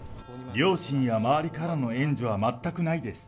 両親や周りからの援助は全くないです。